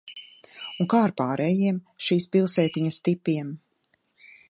Un kā ar pārējiem šīs pilsētiņas tipiem?